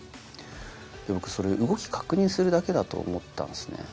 僕それ動き確認するだけだと思ったんですね。